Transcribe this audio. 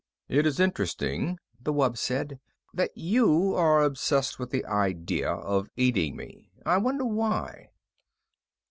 "It is interesting," the wub said, "that you are obsessed with the idea of eating me. I wonder why."